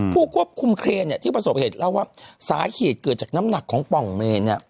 ผู้ควบคุมเครนเนี่ยที่ประสบเหตุเล่าว่าสาเหตุเกิดจากน้ำหนักของป่องเมนเนี่ย